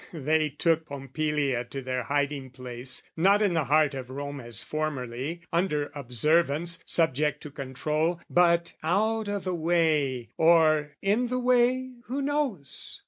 They took Pompilia to their hiding place Not in the heart of Rome as formerly, Under observance, subject to control But out o' the way, or in the way, who knows?